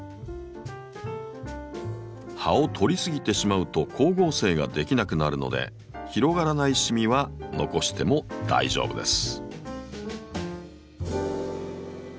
葉を取り過ぎてしまうと光合成ができなくなるので広がらないシミは残しても大丈夫です。